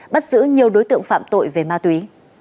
bắt giữ nhiều đối tượng phạm tội về ma túy